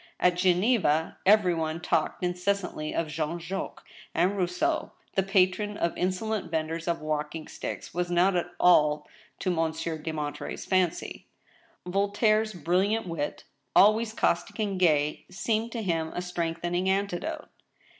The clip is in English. At Geneva every one talked incessantly of Jean Jacques, and Rousseau, the patron of insolent venders of walking sticks, was not at all to Mon ANOTHER VERDICT. 21$ sieur de Monterey's fancy. Voltaire's brilliant wit, always caustic and gay, seemed to him a strengthening antidote.